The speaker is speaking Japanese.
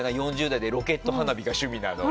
４０代でロケット花火が趣味なの。